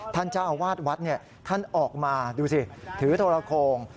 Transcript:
ท่านเจ้าอาวาสวัดท่านออกมาดูสิถือโทรโครง